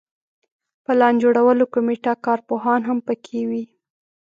پلان جوړولو کمیټه کارپوهان هم په کې وي.